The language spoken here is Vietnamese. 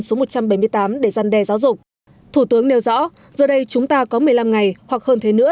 số một trăm bảy mươi tám để gian đe giáo dục thủ tướng nêu rõ giờ đây chúng ta có một mươi năm ngày hoặc hơn thế nữa